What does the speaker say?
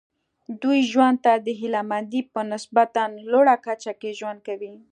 دوی ژوند ته د هیله مندۍ په نسبتا لوړه کچه کې ژوند کوي.